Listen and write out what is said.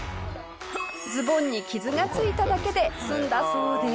ズボンに傷がついただけで済んだそうです。